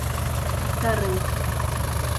Дарыу